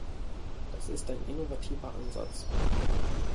Das ist ein innovativer Ansatz.